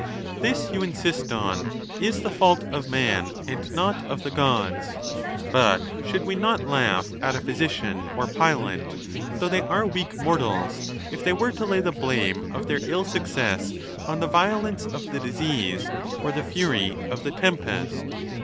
XXXI. This, you insist on it, is the fault of man, and not of the Gods. But should we not laugh at a physician or pilot, though they are weak mortals, if they were to lay the blame of their ill success on the violence of the disease or the f uiy of the tempest